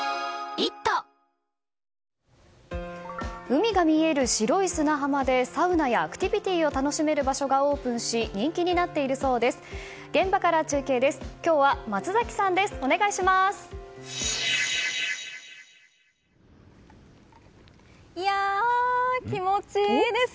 海が見える白い砂浜でサウナやアクティビティーを楽しめる場所がオープンし人気になっているそうです。